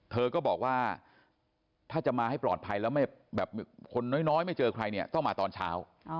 เธอก็บอกว่าถ้าจะมาให้ปลอดภัยแล้วแบบคนน้อยไม่เจอใครเนี่ยต้องมาตอนเช้า